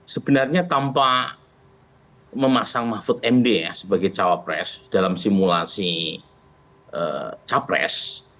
sebenarnya tanpa memasang mahfud md ya sebagai cawapres dalam simulasi capres